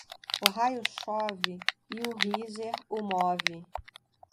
O raio chove e o riser o move.